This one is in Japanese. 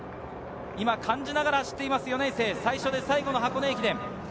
今、感じながら走っている４年生、最初で最後の箱根駅伝。